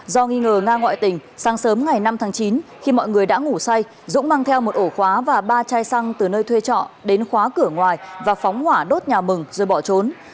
do nghi ngờ nga ngoại tình sáng sớm ngày năm tháng chín khi mọi người đã ngủ say dũng mang theo một ổ khóa và ba chai xăng từ nơi thuê trọ đến khóa cửa ngoài và phóng hỏa đốt nhà mừng rồi bỏ trốn